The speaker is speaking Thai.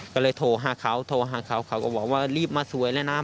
ก็เลยโทรหาเขาเขาก็บอกว่ารีบมาสวยเลยนะ